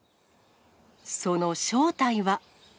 その正体は。